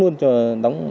thì ông thành bà nhẹ